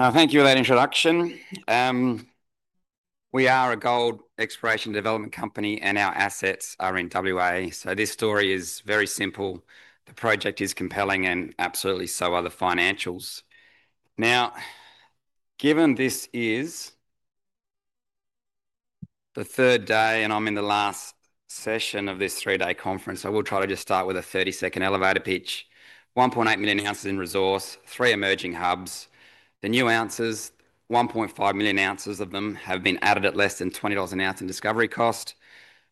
Thank you for that introduction. We are a gold exploration and development company, and our assets are in W.A. This story is very simple. The project is compelling, and absolutely, so are the financials. Now, given this is the third day, and I'm in the last session of this three-day conference, I will try to just start with a 30-second elevator pitch. 1.8 million ounces in resource, three emerging hubs. The new ounces, 1.5 million ounces of them, have been added at less than 20 dollars an ounce in discovery cost.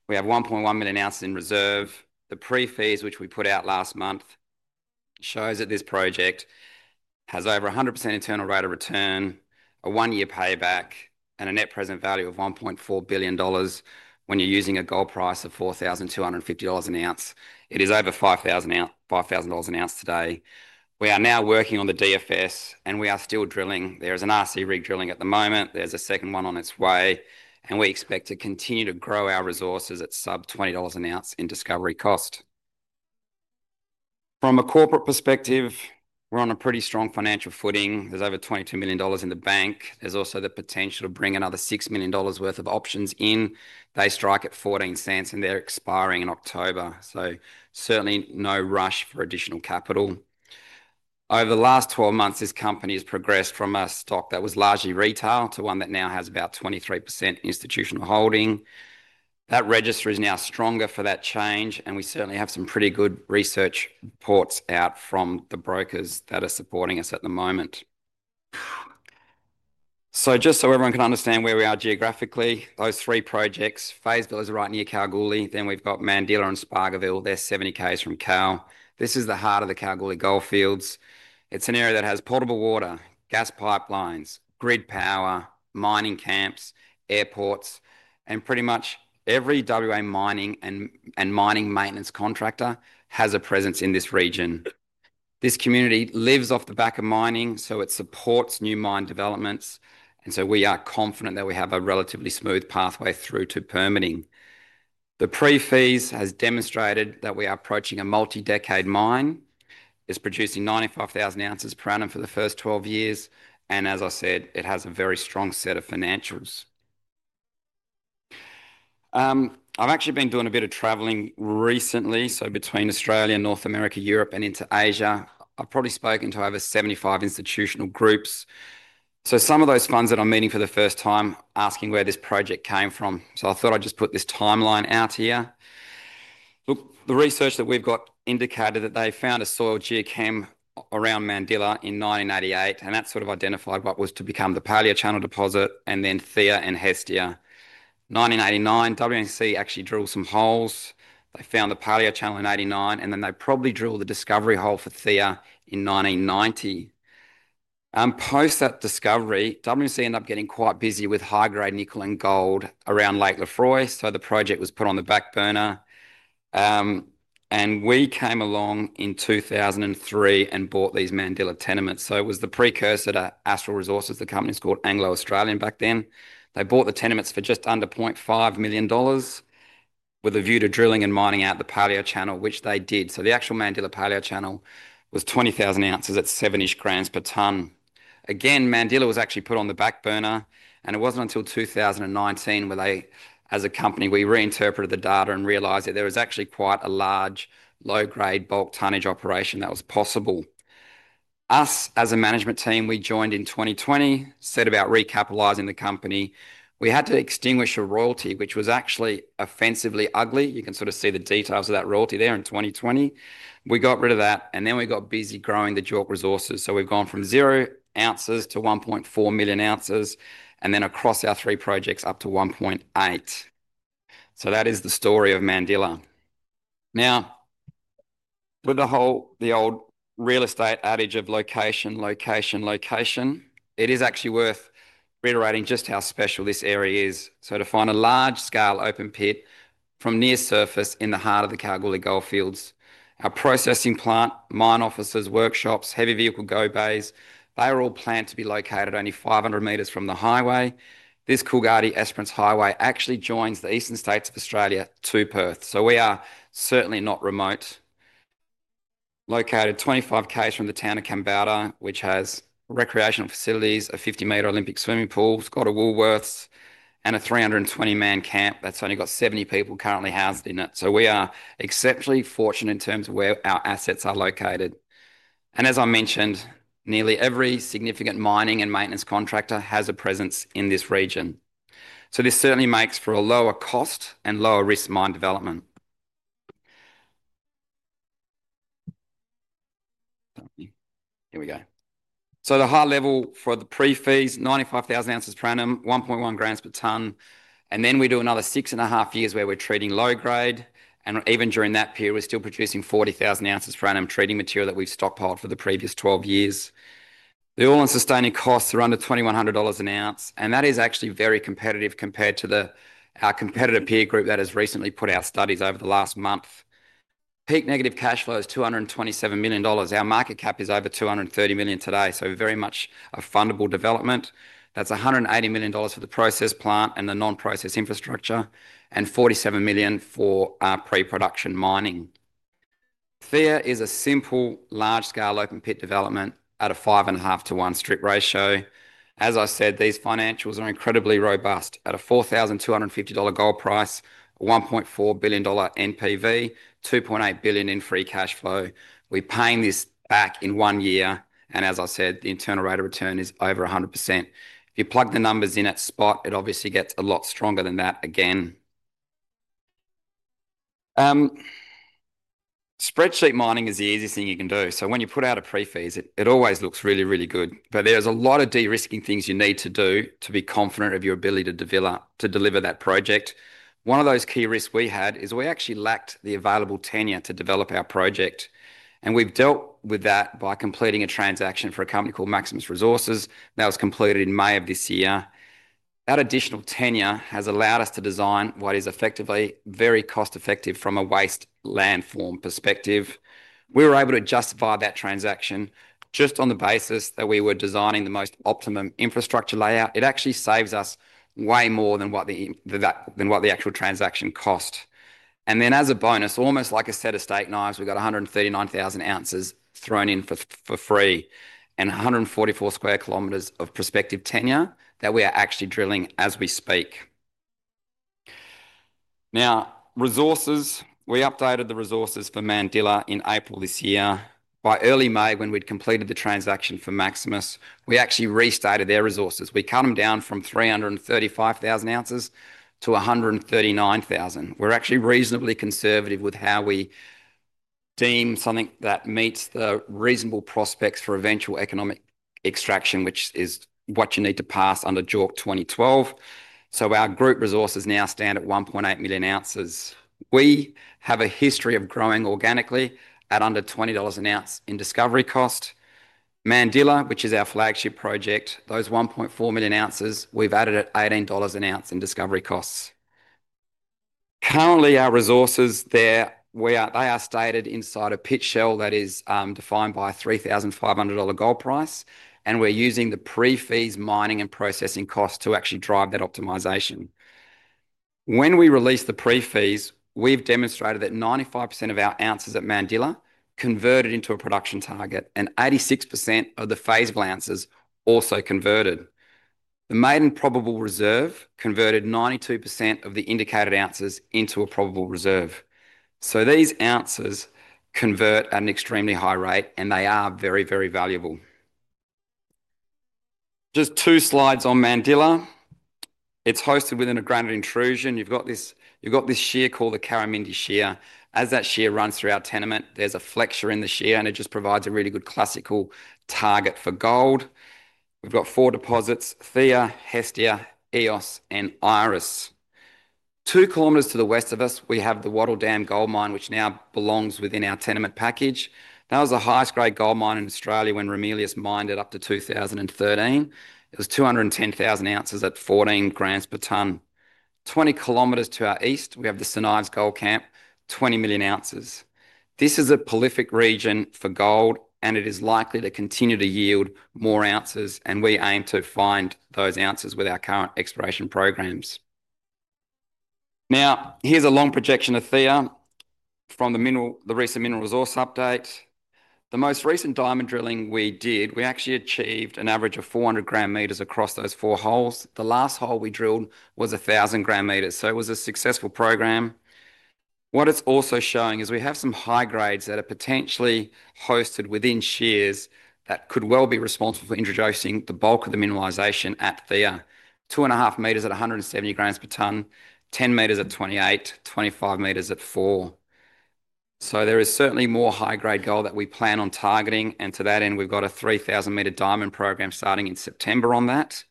We have 1.1 million ounces in reserve. The pre-feas, which we put out last month, show that this project has over a 100% internal rate of return, a one-year payback, and a net present value of 1.4 billion dollars when you're using a gold price of 4,250 dollars an ounce. It is over 5,000 an ounce today. We are now working on the DFS, and we are still drilling. There is an RC rig drilling at the moment. There's a second one on its way, and we expect to continue to grow our resources at sub-AUD 20 an ounce in discovery cost. From a corporate perspective, we're on a pretty strong financial footing. There's over 22 million dollars in the bank. There's also the potential to bring another 6 million dollars worth of options in. They strike at 0.14, and they're expiring in October. Certainly no rush for additional capital. Over the last 12 months, this company has progressed from a stock that was largely retail to one that now has about 23% institutional holding. That register is now stronger for that change, and we certainly have some pretty good research reports out from the brokers that are supporting us at the moment. Just so everyone can understand where we are geographically, those three projects: Feysville is right near Kalgoorlie, then we've got Mandilla and Spargoville, they're 70 km from Kal. This is the heart of the Kalgoorlie gold fields. It's an area that has portable water, gas pipelines, grid power, mining camps, airports, and pretty much every W.A. mining and mining maintenance contractor has a presence in this region. This community lives off the back of mining, it supports new mine developments, and we are confident that we have a relatively smooth pathway through to permitting. The pre-feas have demonstrated that we are approaching a multi-decade mine. It's producing 95,000 oz per annum for the first 12 years, and as I said, it has a very strong set of financials. I've actually been doing a bit of traveling recently, so between Australia, North America, Europe, and into Asia, I've probably spoken to over 75 institutional groups. Some of those funds that I'm meeting for the first time are asking where this project came from. I thought I'd just put this timeline out here. The research that we've got indicated that they found a soil geochem around Mandilla in 1988, and that sort of identified what was to become the Paleochannel deposit, and then Theia and Hestia. In 1989, WMC actually drilled some holes. They found the Paleochannel in 1989, and then they probably drilled the discovery hole for Theia in 1990. Post that discovery, WMC ended up getting quite busy with high-grade nickel and gold around Lake Lefroy, so the project was put on the back burner. We came along in 2003 and bought these Mandilla tenements. It was the precursor to Astral Resources. The company's called Anglo-Australian back then. They bought the tenements for just under AUD 0.5 million with a view to drilling and mining out the Paleochannel, which they did. The actual Mandilla Paleochannel was 20,000 oz at 7-ish grams per ton. Again, Mandilla was actually put on the back burner, and it wasn't until 2019 where they, as a company, we reinterpreted the data and realized that there was actually quite a large, low-grade, bulk tonnage operation that was possible. Us as a management team, we joined in 2020, set about recapitalizing the company. We had to extinguish a royalty, which was actually offensively ugly. You can sort of see the details of that royalty there in 2020. We got rid of that, and then we got busy growing the [Joelt] resources. We've gone from zero ounces to 1.4 million ounces, and then across our three projects up to 1.8 million ounces. That is the story of Mandilla. Now, with the whole, the old real estate adage of location, location, location, it is actually worth reiterating just how special this area is. To find a large-scale open pit from near surface in the heart of the Kalgoorlie gold fields, a processing plant, mine offices, workshops, heavy vehicle go bays, they are all planned to be located only 500 m from the highway. This Coolgardie-Esperance Highway actually joins the eastern states of Australia to Perth. We are certainly not remote. Located 25 km from the town of Kambalda, which has recreational facilities, a 50-m Olympic swimming pool, it's got a Woolworths, and a 320-man camp that's only got 70 people currently housed in it. We are exceptionally fortunate in terms of where our assets are located. As I mentioned, nearly every significant mining and maintenance contractor has a presence in this region. This certainly makes for a lower cost and lower risk mine development. Here we go. The high level for the pre-feasibility study: 95,000 oz per annum, 1.1 g per ton. We do another six and a half years where we're treating low grade, and even during that period, we're still producing 40,000 oz per annum treating material that we've stockpiled for the previous 12 years. The all-in sustaining costs are under 2,100 dollars an ounce, and that is actually very competitive compared to our competitor peer group that has recently put out studies over the last month. Peak negative cash flow is 227 million dollars. Our market cap is over 230 million today, so very much a fundable development. That's 180 million dollars for the process plant and the non-process infrastructure, and 47 million for our pre-production mining. This is a simple, large-scale open pit development at a five and a half to one strip ratio. As I said, these financials are incredibly robust at a 4,250 dollar gold price, a 1.4 billion dollar NPV, 2.8 billion in free cash flow. We're paying this back in one year, and as I said, the internal rate of return is over 100%. If you plug the numbers in at spot, it obviously gets a lot stronger than that again. Spreadsheet mining is the easiest thing you can do. When you put out a pre-feasibility study, it always looks really, really good. There are a lot of de-risking things you need to do to be confident of your ability to deliver that project. One of those key risks we had is we actually lacked the available tenure to develop our project. We've dealt with that by completing a transaction for a company called Maximus Resources that was completed in May of this year. That additional tenure has allowed us to design what is effectively very cost-effective from a waste landform perspective. We were able to justify that transaction just on the basis that we were designing the most optimum infrastructure layout. It actually saves us way more than what the actual transaction cost. As a bonus, almost like a set of steak knives, we got 139,000 oz thrown in for free and 144 sq km of prospective tenure that we are actually drilling as we speak. Resources, we updated the resources for Mandilla in April this year. By early May, when we'd completed the transaction for Maximus, we actually restarted their resources. We cut them down from 335,000 oz to 139,000 oz. We're actually reasonably conservative with how we deem something that meets the reasonable prospects for eventual economic extraction, which is what you need to pass under JORC 2012. Our group resources now stand at 1.8 million ounces. We have a history of growing organically at under 20 dollars an ounce in discovery cost. Mandilla, which is our flagship project, those 1.4 million ounces, we've added at 18 dollars an ounce in discovery costs. Currently, our resources there are stated inside a pit shell that is defined by a 3,500 dollar gold price, and we're using the pre-feasibility mining and processing costs to actually drive that optimization. When we released the pre-feasibility study, we've demonstrated that 95% of our ounces at Mandilla converted into a production target and 86% of the feasible ounces also converted. The maiden probable reserve converted 92% of the indicated ounces into a probable reserve. These ounces convert at an extremely high rate, and they are very, very valuable. Just two slides on Mandilla. It's hosted within a granite intrusion. You've got this shear called the Karramindie Shear. As that shear runs through our tenement, there's a flexure in the shear, and it just provides a really good classical target for gold. We've got four deposits: Theia, Hestia, Eos, and Iris. Two kilometers to the west of us, we have the Wattle Dam Gold Mine, which now belongs within our tenement package. That was the highest grade gold mine in Australia when Ramelius mined it up to 2013. It was 210,000 oz at 14 grams per ton. Twenty kilometers to our east, we have the St Ives Gold Camp, 20 million ounces. This is a prolific region for gold, and it is likely to continue to yield more ounces, and we aim to find those ounces with our current exploration programs. Here's a long projection of Theia from the recent mineral resource update. The most recent diamond drilling we did, we actually achieved an average of 400 g meters across those four holes. The last hole we drilled was 1,000 g meters, so it was a successful program. What it's also showing is we have some high grades that are potentially hosted within shears that could well be responsible for introducing the bulk of the mineralization at Theia. Two and a half meters at 170 g per ton, 10 me at 28, 25 m at 4. There is certainly more high-grade gold that we plan on targeting, and to that end, we've got a 3,000-m diamond program starting in September on that.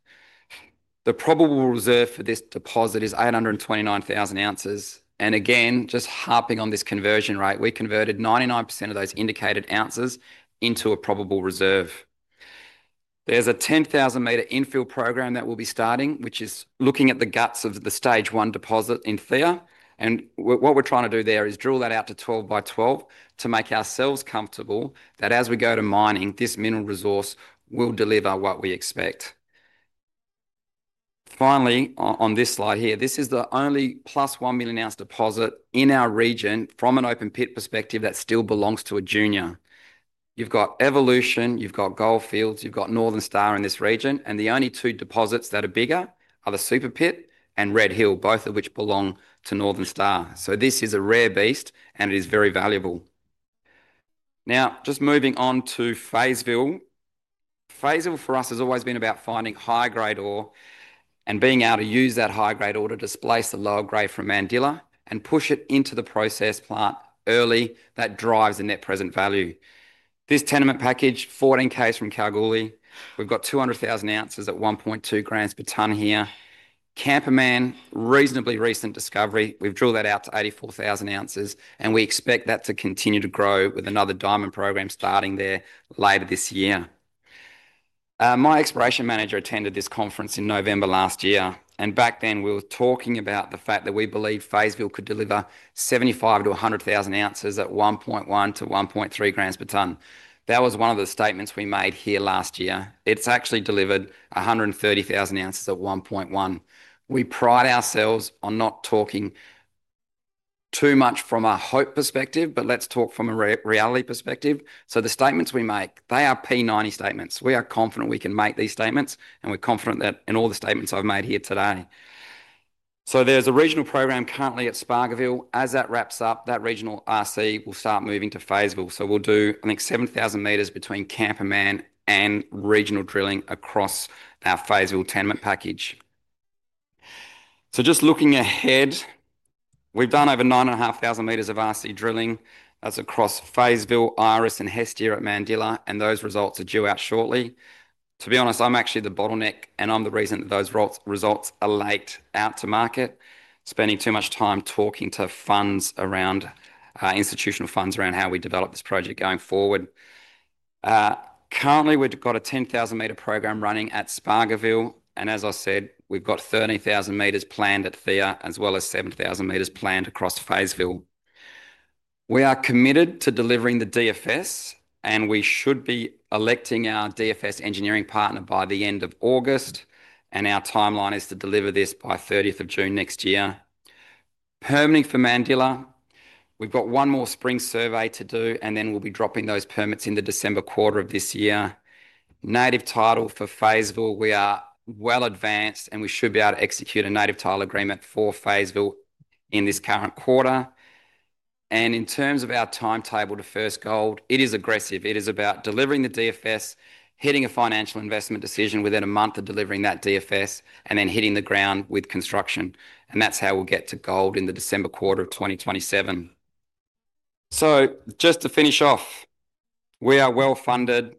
The probable reserve for this deposit is 829,000 oz, and again, just harping on this conversion rate, we converted 99% of those indicated ounces into a probable reserve. There's a 10,000-m infill program that we'll be starting, which is looking at the gaps of the stage one deposit in Theia, and what we're trying to do there is drill that out to 12 by 12 to make ourselves comfortable that as we go to mining, this mineral resource will deliver what we expect. Finally, on this slide here, this is the only plus one million ounce deposit in our region from an open pit perspective that still belongs to a junior. You've got Evolution, you've got Gold Fields, you've got Northern Star in this region, and the only two deposits that are bigger are the Super Pit and Red Hill, both of which belong to Northern Star. This is a rare beast, and it is very valuable. Now, just moving on to Feysville. Feysville for us has always been about finding high-grade ore and being able to use that high-grade ore to displace the lower grade from Mandilla and push it into the process plant early that drives the net present value. This tenement package, 14 kilometers from Kalgoorlie, we've got 200,000 oz at 1.2 grams per ton here. Kamperman, reasonably recent discovery, we've drilled that out to 84,000 oz, and we expect that to continue to grow with another diamond program starting there later this year. My Exploration Manager attended this conference in November last year, and back then, we were talking about the fact that we believed Feysville could deliver 75,000 oz-100,000 ounces at 1.1 g-1.3 g per ton. That was one of the statements we made here last year. It's actually delivered 130,000 oz at 1.1 g. We pride ourselves on not talking too much from our hope perspective, but let's talk from a reality perspective. The statements we make, they are P90 statements. We are confident we can make these statements, and we're confident that in all the statements I've made here today. There's a regional program currently at Spargoville. As that wraps up, that regional RC will start moving to Feysville. We'll do, I think, 7,000 m between Kamperman and regional drilling across our Feysville tenement package. Just looking ahead, we've done over 9,500 m of RC drilling. That's across Feysville, Iris, and Hestia at Mandilla, and those results are due out shortly. To be honest, I'm actually the bottleneck, and I'm the reason that those results are late out to market, spending too much time talking to funds around, institutional funds around how we develop this project going forward. Currently, we've got a 10,000-m program running at Spargoville, and as I said, we've got 30,000 m planned at Theia, as well as 7,000 m planned across Feysville. We are committed to delivering the DFS, and we should be electing our DFS engineering partner by the end of August, and our timeline is to deliver this by 30th of June next year. Permitting for Mandilla, we've got one more spring survey to do, and then we'll be dropping those permits in the December quarter of this year. Native title for Feysville, we are well advanced, and we should be able to execute a native title agreement for Feysville in this current quarter. In terms of our timetable to first gold, it is aggressive. It is about delivering the DFS, hitting a financial investment decision within a month of delivering that DFS, and then hitting the ground with construction. That's how we'll get to gold in the December quarter of 2027. Just to finish off, we are well funded.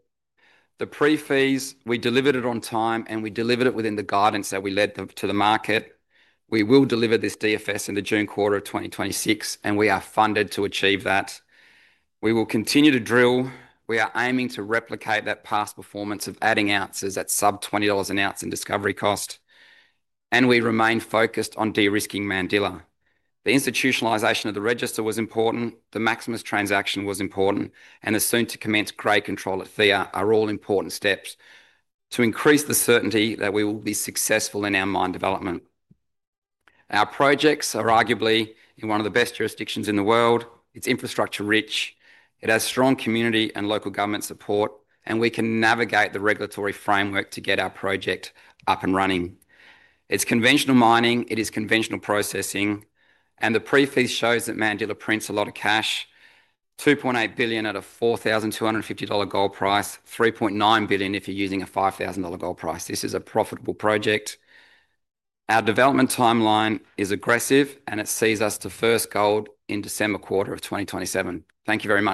The pre-fees, we delivered it on time, and we delivered it within the guidance that we led to the market. We will deliver this DFS in the June quarter of 2026, and we are funded to achieve that. We will continue to drill. We are aiming to replicate that past performance of adding ounces at sub-AUD 20/oz discovery cost. We remain focused on de-risking Mandilla. The institutionalization of the register was important. The Maximus transaction was important. The soon-to-commence grade control at Theia are all important steps to increase the certainty that we will be successful in our mine development. Our projects are arguably in one of the best jurisdictions in the world. It's infrastructure rich. It has strong community and local government support. We can navigate the regulatory framework to get our project up and running. It's conventional mining. It is conventional processing. The pre-feasibility study shows that Mandilla prints a lot of cash. 2.8 billion at a 4,250 dollar gold price, 3.9 billion if you're using a 5,000 dollar gold price. This is a profitable project. Our development timeline is aggressive, and it sees us to first gold in the December quarter of 2027. Thank you very much.